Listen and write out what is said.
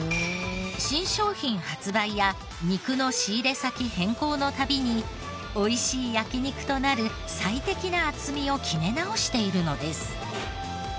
新商品発売や肉の仕入れ先変更の度に美味しい焼肉となる最適な厚みを決め直しているのです。